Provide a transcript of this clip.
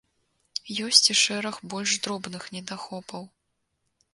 Ёсць і шэраг больш дробных недахопаў.